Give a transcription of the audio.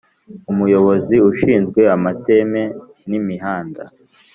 Umuyobozi ushinzwe amateme n’imihanda